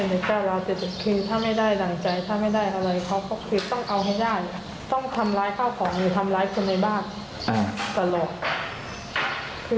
ไปโกรธเรียกไปโกรธเรียกของหนึ่งก็เลยบอกว่าไม่มีหรอก